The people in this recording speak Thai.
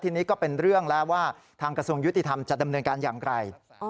ทีนี้ก็เป็นเรื่องแล้วว่าทางกระทรวงยุติธรรมจะดำเนินการอย่างไร